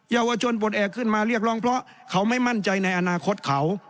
เยาวชนปลดแอบขึ้นมาเรียกร้องเพราะเขาไม่มั่นใจในอนาคตเขา